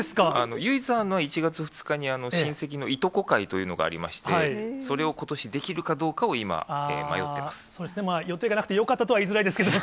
唯一あるのは１月２日に親戚のいとこ会というのがありまして、それをことしできるかどうかを今、そうですね、予定がなくてよかったとは言いづらいですけど。